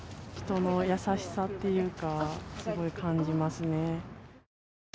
人の優しさというか、すごい感じますね。